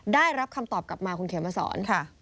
ได้รับคำตอบกลับมาคุณเขียนมาสอนค่ะ